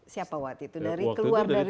siapa waktu itu dari keluar dari